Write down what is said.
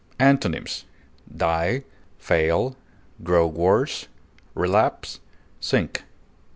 Antonyms: die, fail, grow worse, relapse, sink.